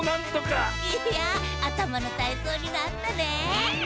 いやあたまのたいそうになったね！